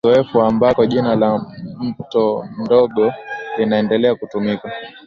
Kuna uzoefu ambako jina la mto mdogo linaendelea kutumika